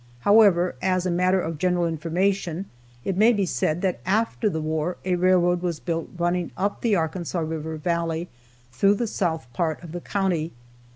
However, as a matter of general information, it may be said that after the war a railroad was built running up the Arkansas river valley, through the south part of the county.